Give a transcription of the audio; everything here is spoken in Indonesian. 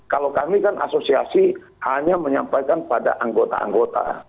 kalau kami kan asosiasi hanya menyampaikan pada anggota anggota